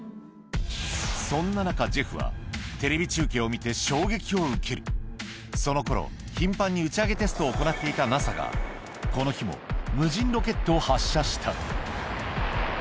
そんな中ジェフはテレビ中継を見て衝撃を受けるその頃頻繁に打ち上げテストを行っていたＮＡＳＡがこの日もあっ！